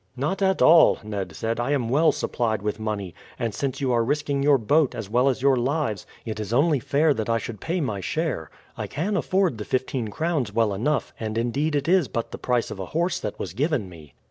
"Not at all," Ned said. "I am well supplied with money; and since you are risking your boat, as well as your lives, it is only fair that I should pay my share. I can afford the fifteen crowns well enough, and indeed it is but the price of a horse that was given me."